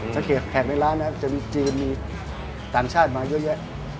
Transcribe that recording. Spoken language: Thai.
สังเกตแขกในร้านนะครับจะมีจีนมีต่างชาติมาเยอะแยะ